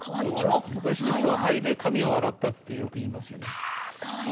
昔の人は灰で髪を洗ったってよく言いますよね。